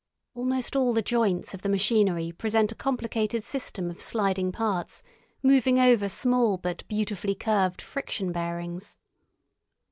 Almost all the joints of the machinery present a complicated system of sliding parts moving over small but beautifully curved friction bearings.